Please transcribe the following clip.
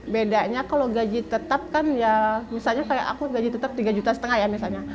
bedanya kalau gaji tetap kan ya misalnya kayak aku gaji tetap tiga juta setengah ya misalnya